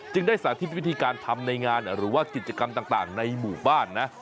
ได้สาธิตวิธีการทำในงานหรือว่ากิจกรรมต่างในหมู่บ้านนะ